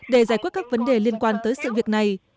để đảm bảo các cơ quan tới sự việc này